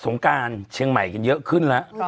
งการเชียงใหม่กันเยอะขึ้นแล้ว